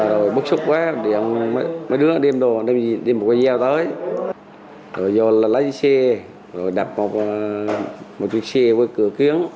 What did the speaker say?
rồi bức xúc quá mấy đứa đem đồ đem một cái giao tới rồi vô lấy xe rồi đập một chiếc xe với cửa kiếng